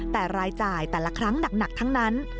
แต่รายจ่ายแต่ละครั้งหนักทั้งนั้น